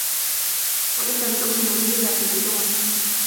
وإن لم تؤمنوا لي فاعتزلون